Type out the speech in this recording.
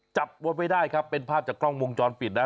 จับไว้ได้ครับเป็นภาพจากกล้องวงจรปิดนะ